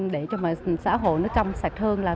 để cho mà xã hội nó trong sạch hơn